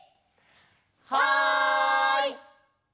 はい！